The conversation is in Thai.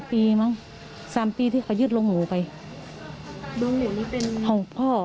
๓ปีมั้ง๓ปีที่เขายึดโรงหมู่ไปโรงหมู่นี้เป็นของพ่อ